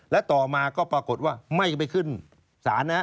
และต่อมาก็ปรากฏว่าไม่ไปขึ้นศาลนะ